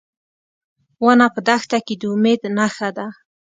ونه په دښته کې د امید نښه ده.